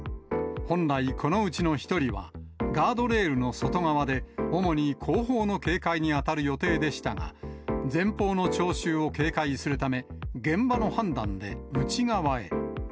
本来、このうちの１人は、ガードレールの外側で、主に後方の警戒に当たる予定でしたが、前方の聴衆を警戒するため、現場の判断で内側へ。